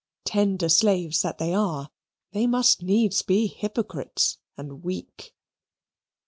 Tender slaves that they are, they must needs be hypocrites and weak.